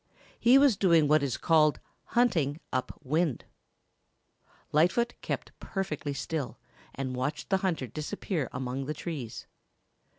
He was doing what is called "hunting up wind." Lightfoot kept perfectly still and watched the hunter disappear among the trees.